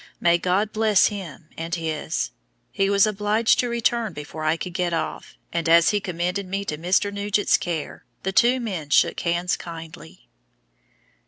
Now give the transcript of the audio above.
May God bless him and his! He was obliged to return before I could get off, and as he commended me to Mr. Nugent's care, the two men shook hands kindly.